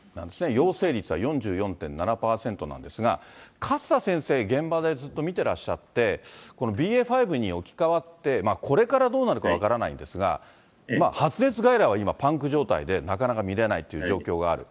陽性率は４４．７％なんですが、勝田先生、現場でずっと見てらっしゃって、このＢＡ．５に置き換わって、これからどうなるか分からないんですが、発熱外来は今パンク状態で、なかなか見れないという状況がある。